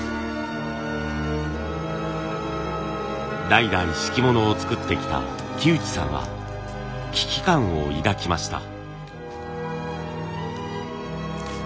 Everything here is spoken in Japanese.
代々敷物を作ってきた木内さんは危機感を抱きました。